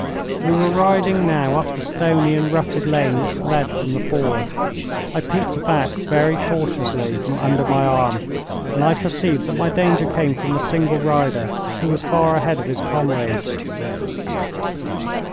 We were riding now up the stony and rutted lane which led from the ford. I peeped back very cautiously from under my arm and I perceived that my danger came from a single rider, who was far ahead of his comrades.